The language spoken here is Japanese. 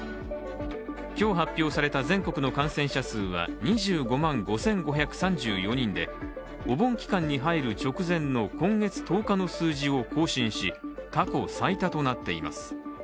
今日発表された全国の感染者数は２５万５５３４人でお盆期間に入る直前の今月１０日の数字を更新し過去最多となっています。